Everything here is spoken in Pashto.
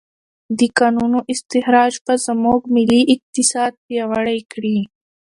د کانونو استخراج به زموږ ملي اقتصاد پیاوړی کړي.